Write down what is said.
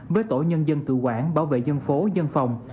với tổ nhân dân tự quản bảo vệ dân phố dân phòng